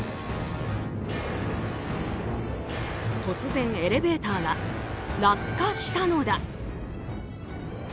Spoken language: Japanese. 突然、エレベーターが落下したのだ。